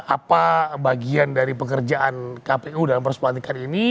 apa bagian dari pekerjaan kpu dalam proses pelantikan ini